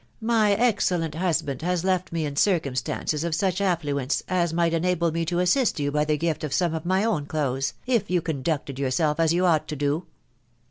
My excellent husband has left me in circumstances of such affluence as might enable me to assist you by the gift of some . of my own clothes, if you conducted yourself as you ought to do."